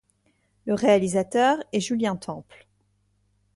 Le réalisateur est Julien Temple.